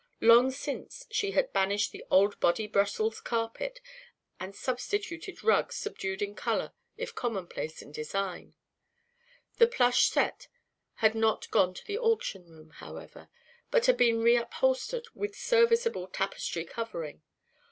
Long since she had banished the old "body brussels" carpet and substituted rugs subdued in colour if commonplace in design. The plush "set" had not gone to the auction room, however, but had been reupholstered with a serviceable "tapestry covering."